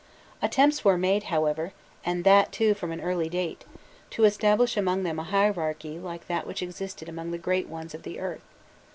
Attempts were made, however, and that too from an early date, to establish among them a hierarchy like that which existed among the great ones of the earth.